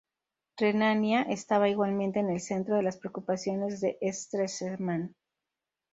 Renania estaba igualmente en el centro de las preocupaciones de Stresemann.